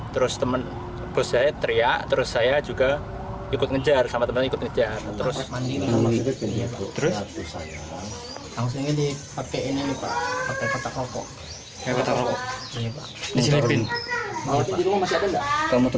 terus teman bos saya teriak terus saya juga ikut ngejar sama teman teman ikut ngejar